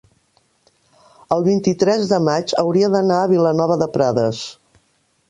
el vint-i-tres de maig hauria d'anar a Vilanova de Prades.